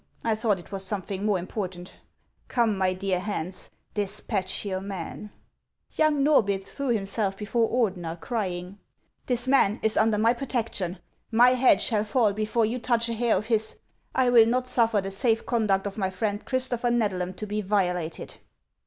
I thought it was something more important. Come, my dear Hans, despatch your man." Young Norbith threw himself before Ordener, crying :" This man is under my protection. My head shall fall HANS OF ICELAND. 349 before you touch a hair of his. I will not suffer the safe conduct of ray friend Christopher Xedlam to be violated."